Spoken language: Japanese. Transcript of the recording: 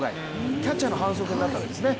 キャッチャーの反則になったんですね。